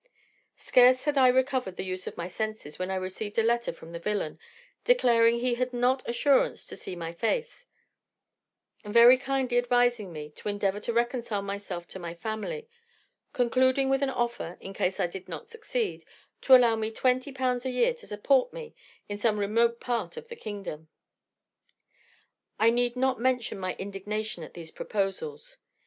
"Scarce had I recovered the use of my senses when I received a letter from the villain, declaring he had not assurance to see my face, and very kindly advising me to endeavour to reconcile myself to my family, concluding with an offer, in case I did not succeed, to allow me twenty pounds a year to support me in some remote part of the kingdom. "I need not mention my indignation at these proposals.